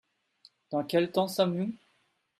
Dans quel temps sommes-nous ?